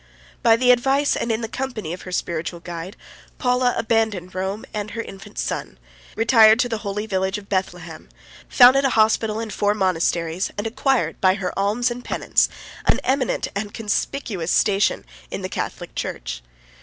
By the advice, and in the company, of her spiritual guide, Paula abandoned Rome and her infant son; retired to the holy village of Bethlem; founded a hospital and four monasteries; and acquired, by her alms and penance, an eminent and conspicuous station in the Catholic church.